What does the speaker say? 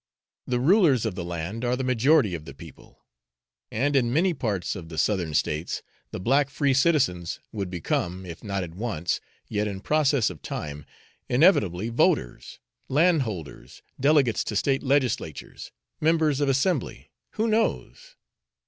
The rulers of the land are the majority of the people, and in many parts of the Southern States the black free citizens would become, if not at once, yet in process of time, inevitably voters, landholders, delegates to state legislatures, members of assembly who knows?